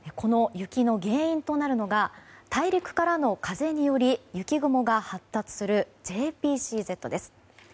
雪の原因となるのが大陸からの風により雪雲が発達するＪＰＣＺです。